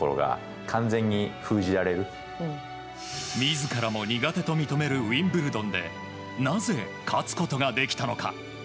自らも苦手と認めるウィンブルドンでなぜ勝つことができたのか。